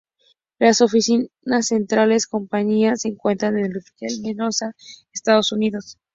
Las oficinas centrales de la compañía se encuentran en Richfield, Minnesota, Estados Unidos.